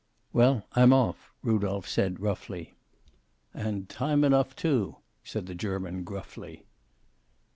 "Well, I'm off," Rudolph said roughly. "And time enough, too," said the German, gruffly.